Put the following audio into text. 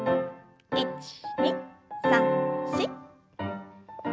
１２３４。